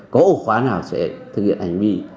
có ổ khóa nào sẽ thực hiện hành vi